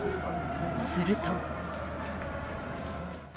すると。